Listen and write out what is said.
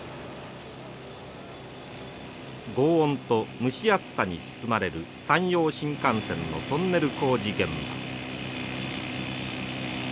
ごう音と蒸し暑さに包まれる山陽新幹線のトンネル工事現場。